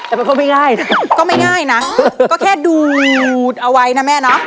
แต่เป็นคนไม่ง่ายนะก็ไม่ง่ายนะก็แค่ดูดเอาไว้นะแม่เนาะ